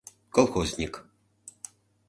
колхозник